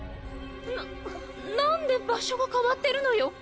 何で場所が変わってるのよ？